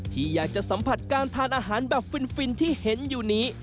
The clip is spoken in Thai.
ที่อยากจะสัมผัสการทานอาหารแบบฟินที่เห็นอยู่นี้